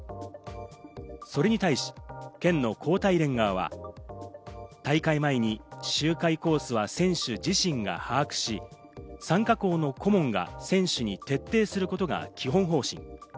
それに対し、県の高体連側は、大会前に周回コースは選手自身が把握し、参加校の顧問が選手に徹底することが基本方針。